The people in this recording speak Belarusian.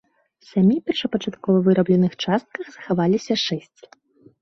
З сямі першапачаткова вырабленых частак захаваліся шэсць.